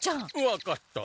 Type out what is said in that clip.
分かった。